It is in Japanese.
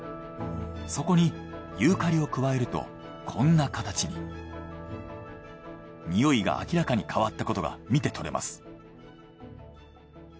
そこにユーカリを加えるとこんな形に。においが明らかに変わったことが見て取れます。